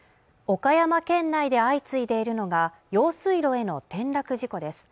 岡山県内で相次いでいるのが用水路への転落事故です